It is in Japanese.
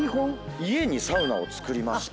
家にサウナを造りまして。